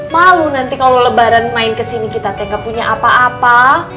malu nanti kalau lebaran main kesini kita teh gak punya apa apa